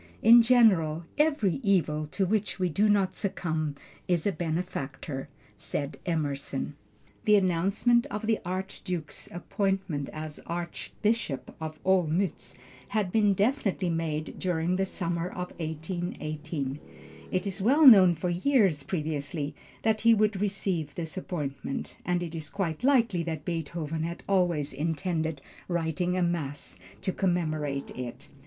"In general, every evil to which we do not succumb is a benefactor," said Emerson. The announcement of the Archduke's appointment as Archbishop of Olmütz, had been definitely made during the summer of 1818. It was well known for years previously that he would receive this appointment, and it is quite likely that Beethoven had always intended writing a mass to commemorate it.